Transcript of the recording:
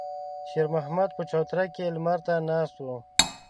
شېرمحمد په چوتره کې لمر ته ناست و.